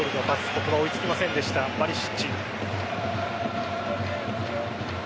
ここは追いつきませんでしたバリシッチ。